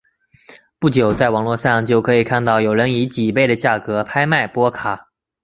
不久在网络上就可以看到有人以几倍的价格拍卖波卡。